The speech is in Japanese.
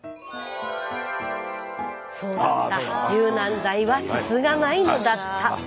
そうだった柔軟剤はすすがないのだった。